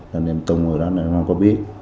nên em tôn người đó em không có biết